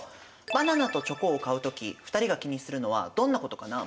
バナナとチョコを買うとき２人が気にするのはどんなことかな？